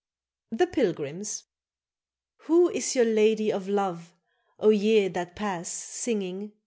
THE PILGRIMS WHO is your lady of love, O ye that pass Singing?